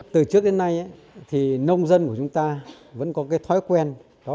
từ trước đến nay nông dân của chúng ta vẫn có thói quen